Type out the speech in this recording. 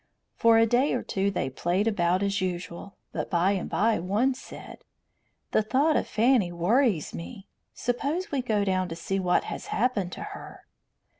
For a day or two they played about as usual, but by and by one said: "The thought of Fanny worries me. Suppose we go down to see what has happened to her?"